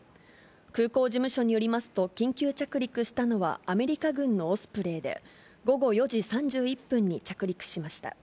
空港事務所によりますと、緊急着陸したのは、アメリカ軍のオスプレイで、午後４時３１分に着陸しました。